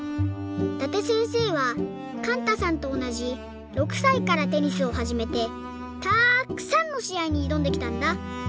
伊達せんせいはかんたさんとおなじ６さいからテニスをはじめてたくさんのしあいにいどんできたんだ。